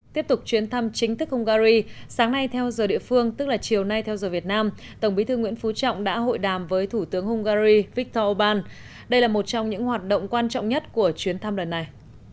tiếp tục chuyến thăm chính thức hungary sáng nay theo giờ địa phương tức là chiều nay theo giờ việt nam tổng bí thư nguyễn phú trọng đã hội đàm với thủ tướng hungary viktor orbán đây là một trong những hoạt động quan trọng nhất của chuyến thăm lần này